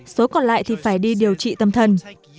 số còn lại thì phải đi điều trị tâm thần